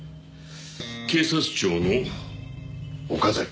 警察庁の岡崎警視。